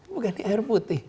bukan ini air putih